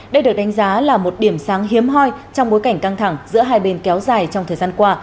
đây được đánh giá là một điểm sáng hiếm hoi trong bối cảnh căng thẳng giữa hai bên kéo dài trong thời gian qua